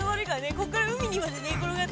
こっから海にまで寝っ転がってね